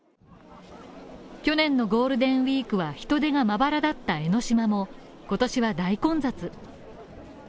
去年のゴールデンウィークは人出がまばらだった江の島も今年は大混雑。